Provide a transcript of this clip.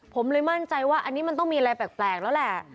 ผมเลยมั่นใจว่าอันนี้มันต้องมีอะไรแปลกแล้วแหละ